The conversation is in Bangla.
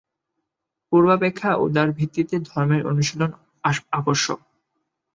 পূর্বাপেক্ষা উদার ভিত্তিতে ধর্মের অনুশীলন আবশ্যক।